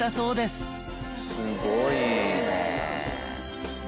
すごい！